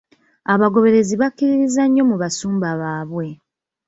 Abagoberezi bakkiririza nnyo mu basumba baabwe.